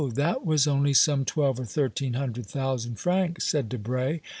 that was only some twelve or thirteen hundred thousand francs," said Debray.